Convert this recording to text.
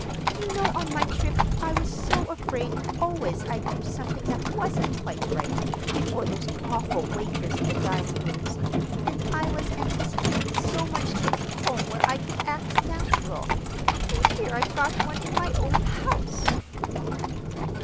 'You know on my trip I was so afraid always I'd do something that wasn't quite right, before those awful waiters in the dining rooms, and I was anticipating so much getting home where I could act natural—and here I've got one in my own house!